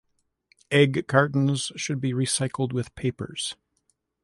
Egg cartons should be recycled with papers.